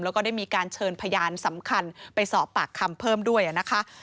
แล้วก็ได้มีการเชิญพยานสำคัญไปสอบปากคำเพิ่มด้วยนะคะ